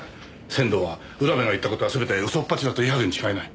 仙堂は浦部が言った事は全て嘘っぱちだと言い張るに違いない。